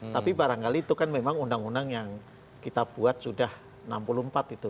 tapi barangkali itu kan memang undang undang yang kita buat sudah enam puluh empat itu